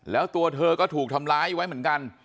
แล้วตัวเธอก็ถูกทำร้ายไว้เหมือนกัน